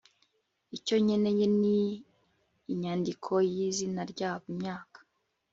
icyo nkeneye ni inyandiko yizina ryabo, imyaka